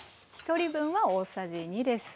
１人分は大さじ２です。